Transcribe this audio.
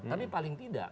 tapi paling tidak